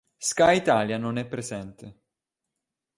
Sky Italia non è presente.